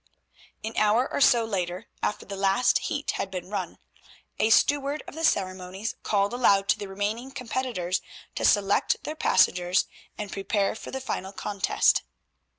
An hour or so later, after the last heat had been run, a steward of the ceremonies called aloud to the remaining competitors to select their passengers and prepare for the final contest.